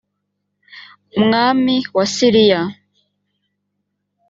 umwami wa siriya